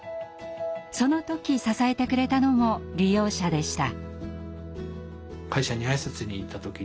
その時支えてくれたのも利用者でした。